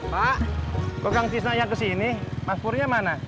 pak kok gang cisna yang kesini mas purwnya mana